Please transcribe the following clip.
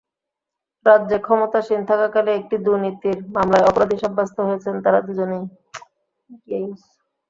রাজ্যে ক্ষমতাসীন থাকাকালে একটি দুর্নীতির মামলায় অপরাধী সাব্যস্ত হয়েছেন তাঁরা দুজনেই।